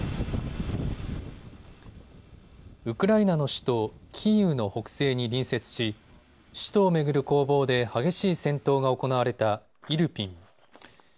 ウクライナの首都キーウの北西に隣接し首都を巡る攻防で激しい戦闘が行われたイルピン。